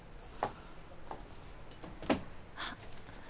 あっ。